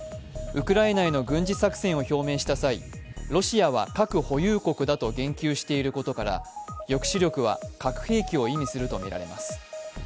ウクライナへの軍事作戦を表明した際、ロシアは核保有国だと言及していることから抑止力は核兵器を意味するとみられます。